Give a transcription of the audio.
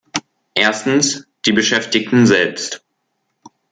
Erstens, die Beschäftigten selbst.